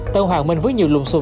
tân hoàng minh với nhiều lùng xùm